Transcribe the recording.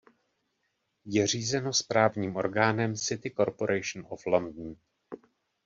Je řízeno správním orgánem City Corporation of London.